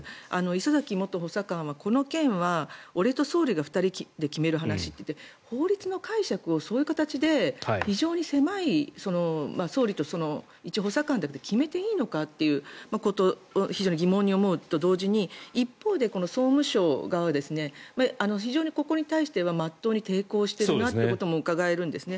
礒崎元補佐官は、この件は俺と総理が２人で決める話って法律の解釈をそういう形で非常に狭い総理といち補佐官だけで決めていいのかといいうことが非常に疑問だと思うと同時に一方で総務省側は非常にここに対しては真っ当に抵抗しているなということもうかがえるんですね。